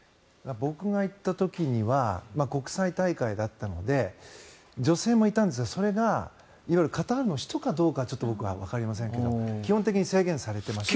僕が行った時には国際大会だったので女性もいたんですがそれが色々カタールの人かどうか僕はわかりませんが基本的に制限されています。